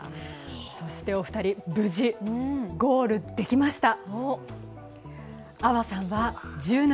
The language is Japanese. そしてお二人、無事ゴールできました。